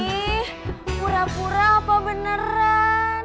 ini pura pura apa beneran